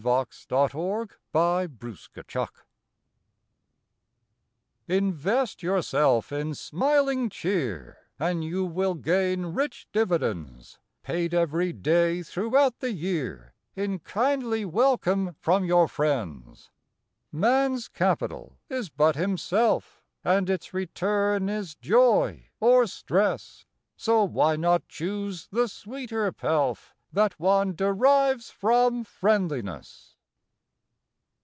March Twelfth A GOOD INVESTMENT INVEST yourself in smiling cheer, And you will gain rich dividends, Paid every day throughout the year In kindly welcome from your friends. Man s capital is but himself, And its return is joy or stress, So why not choose the sweeter pelf That one derives from friendliness?